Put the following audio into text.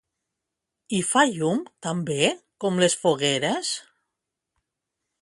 —I fa llum, també, com les fogueres?